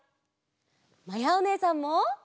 まやおねえさんも！